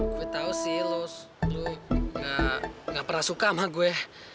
gue tau sih lo gak pernah suka sama gue